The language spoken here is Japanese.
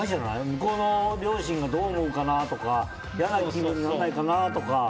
向こうの両親がどう思うかなとか嫌な気分にならないかなとか。